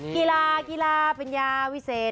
กีฬากีฬาปัญญาวิเศษ